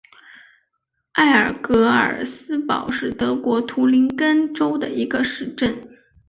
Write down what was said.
埃尔格尔斯堡是德国图林根州的一个市镇。